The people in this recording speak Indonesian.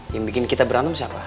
yang bikin kita berantem siapa